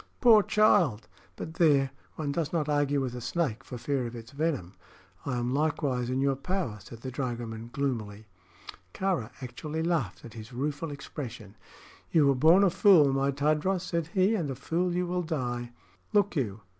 "Poor child! But there one does not argue with a snake for fear of its venom. I am likewise in your power," said the dragoman, gloomily. Kāra actually laughed at his rueful expression. "You were born a fool, my Tadros," said he, "and a fool you will die. Look you!